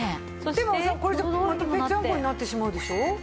でもさこれじゃまたぺっちゃんこになってしまうんでしょ？